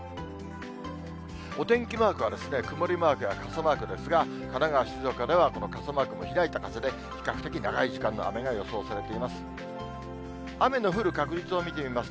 お天気マークは、曇りマークや傘マークですが、神奈川、静岡ではこの傘マーク、開いた傘で、比較的長い時間の雨が予想されています。